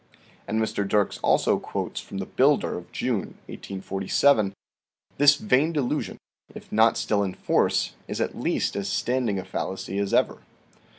" And Mr. Dircks also quotes from the "Builder" of June, 1847 :" This vain delusion, if not still in force, is at least as standing a fallacy as ever.